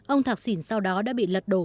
ông thạc sỉn sau đó đã bị lật đổ